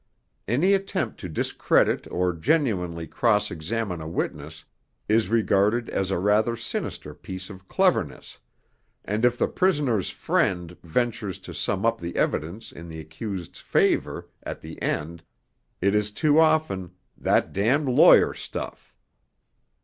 Any attempt to discredit or genuinely cross examine a witness is regarded as a rather sinister piece of 'cleverness'; and if the Prisoner's Friend ventures to sum up the evidence in the accused's favour at the end it is too often 'that damned lawyer stuff.'